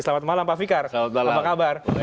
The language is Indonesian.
selamat malam pak fikar